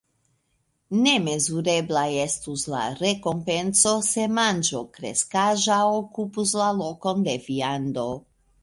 Nemezurebla estus la rekompenco, se manĝo kreskaĵa okupus la lokon de viando.